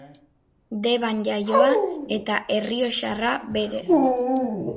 Deban jaioa, eta errioxarra berez.